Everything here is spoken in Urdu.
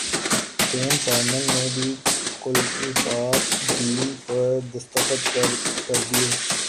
وین پارنیل نے بھی کولپاک ڈیل پر دستخط کردیے